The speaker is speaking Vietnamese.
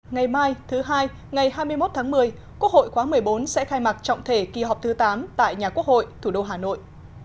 ngày mai thứ hai ngày hai mươi một tháng một mươi quốc hội khóa một mươi bốn sẽ khai mạc trọng thể kỳ họp thứ tám tại nhà quốc hội thủ đô hà nội